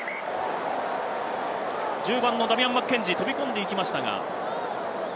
１０番のダミアン・マッケンジー、飛び込んでいきました。